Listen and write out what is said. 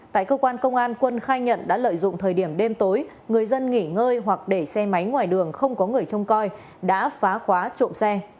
tại cơ quan công an quân khai nhận đã lợi dụng thời điểm đêm tối người dân nghỉ ngơi hoặc để xe máy ngoài đường không có người trông coi đã phá khóa trộm xe